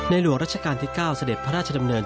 หลวงราชการที่๙เสด็จพระราชดำเนิน